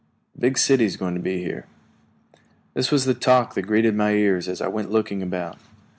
The big city is going to be here." This was the talk that greeted my ears as I went looking about.